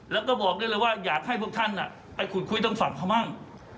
แล้วก็บอกได้เลยว่าอยากให้พวกท่านไปขุดคุยทางฝั่งเขาบ้าง